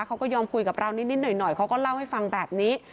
เขาก็ยอมคุยกับเรานิดหน่อยเขาก็เล่าให้ฟังแบบนี้